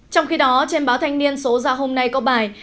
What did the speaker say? trong khi đó trên báo thanh niên số ra hôm nay có bài